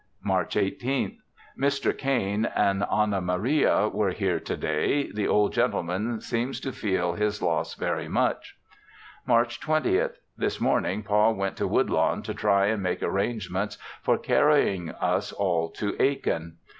March 18th. Mr. Cain and Anna Maria were here to day; the old gentleman seems to feel his loss very much. March 20th. This morning Pa went to Woodlawn to try and make arrangements for carrying us all to Aiken.